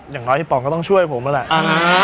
อย่างน้อยพี่ป๋องก็ต้องช่วยผมนั่นแหละ